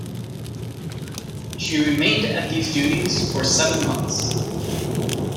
She remained at these duties for seven months.